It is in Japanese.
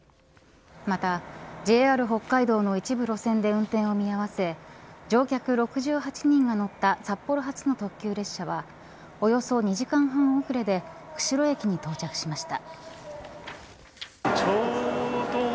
またＪＲ北海道の一部路線で運転を見合わせ乗客６８人が乗った札幌発の特急列車はおよそ２時間半遅れで釧路駅に到着しました。